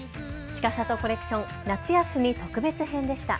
ちかさとコレクション、夏休み特別編でした。